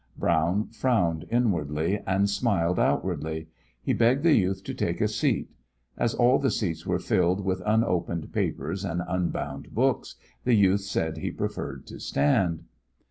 Brown frowned inwardly, and smiled outwardly. He begged the youth to take a seat. As all the seats were filled with unopened papers and unbound books, the youth said he preferred to stand.